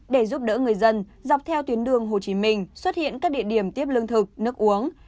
để giúp đỡ người dân dọc theo tuyến đường hồ chí minh xuất hiện các địa điểm tiếp lương thực nước uống